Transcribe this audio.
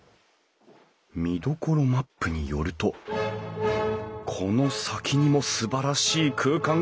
見どころマップによるとこの先にもすばらしい空間が。